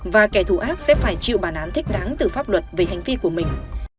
và kẻ thù ác sẽ phải chịu bản án thích đáng từ pháp luật về hành vi của mình